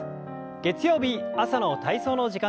月曜日朝の体操の時間です。